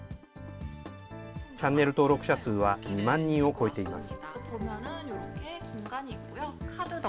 チャンネル登録者数は２万人を超えています。